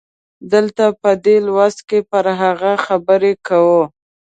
دلته په دې لوست کې پر هغو خبرې کوو.